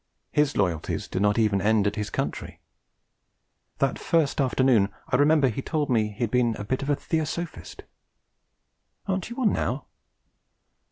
His loyalties did not even end at his country. That first afternoon, I remember, he told me he had been 'a bit of a Theosophist.' 'Aren't you one now?'